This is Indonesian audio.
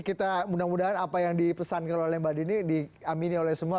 kita mudah mudahan apa yang dipesan oleh mbak dini di amini oleh semua